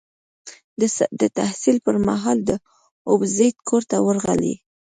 د تحصیل پر مهال د ابوزید کور ته ورغلی.